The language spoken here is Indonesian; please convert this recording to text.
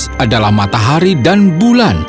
yang luas adalah matahari dan bulan